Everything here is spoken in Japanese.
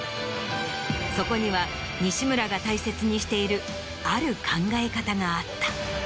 そこには西村が大切にしているある考え方があった。